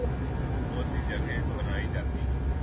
بہت سی جگہیں بنائی جاتی